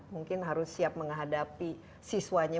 mungkin harus siap menghadapi siswanya